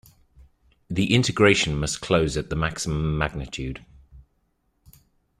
The integration must close at the maximum magnitude.